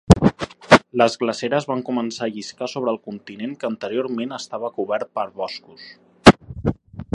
Les glaceres van començar a lliscar sobre el continent que anteriorment estava cobert per boscos.